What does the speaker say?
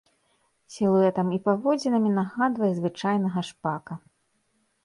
Сілуэтам і паводзінамі нагадвае звычайнага шпака.